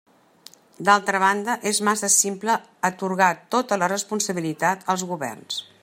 D'altra banda, és massa simple atorgar tota la responsabilitat als governs.